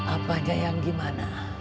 apa aja yang gimana